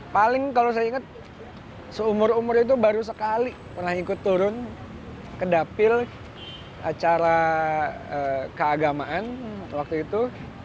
paling kalau saya ingat seumur umur itu baru sekali pernah ikut turun ke dapil acara keagamaan waktu itu